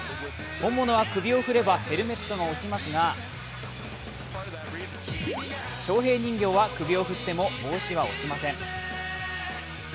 本物は首を振ればヘルメットが落ちますが翔平人形は、首を振っても帽子が落ちません。